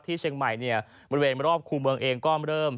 เชียงใหม่เนี่ยบริเวณรอบคู่เมืองเองก็เริ่ม